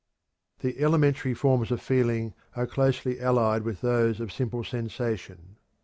The elementary forms of feeling are closely allied with those of simple sensation.